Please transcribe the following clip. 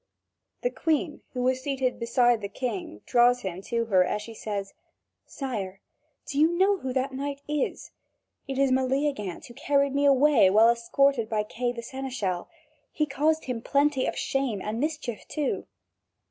The Queen, who was seated beside the King, draws him to her as she says: "Sire, do you know who that knight is? It is Meleagant who carried me away while escorted by Kay the seneschal; he caused him plenty of shame and mischief too."